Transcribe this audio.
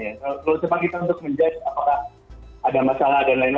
kalau cepat kita untuk mengejad apakah ada masalah